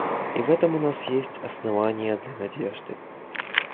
И в этом у нас есть основания для надежды.